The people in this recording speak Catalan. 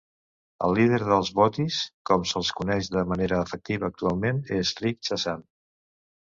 El líder dels Boaties, com se'ls coneix de manera afectiva, actualment és Rick Chazan.